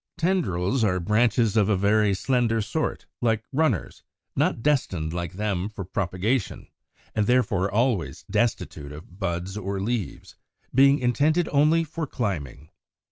98. =Tendrils= are branches of a very slender sort, like runners, not destined like them for propagation, and therefore always destitute of buds or leaves, being intended only for climbing.